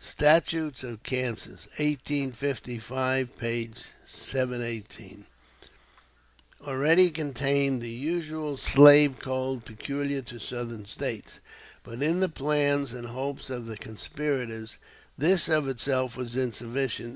"Statutes of Kansas," 1855, p. 718.] already contained the usual slave code peculiar to Southern States. But in the plans and hopes of the conspirators, this of itself was insufficient.